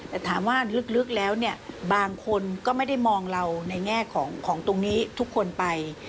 แต่ถามว่าลึกแล้วเนี่ยบางคนก็ไม่ได้มองเราในแง่ของตรงนี้ทุกคนไป